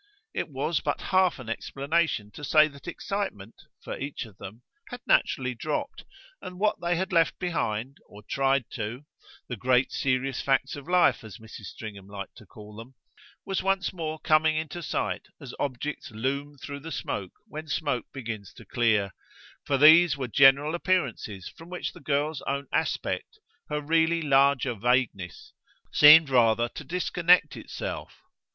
It was but half an explanation to say that excitement, for each of them, had naturally dropped, and that what they had left behind, or tried to the great serious facts of life, as Mrs. Stringham liked to call them was once more coming into sight as objects loom through smoke when smoke begins to clear; for these were general appearances from which the girl's own aspect, her really larger vagueness, seemed rather to disconnect itself.